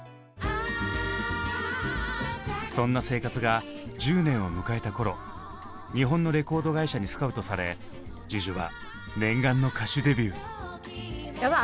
そんな生活が１０年を迎えた頃日本のレコード会社にスカウトされＪＵＪＵは念願の歌手デビュー。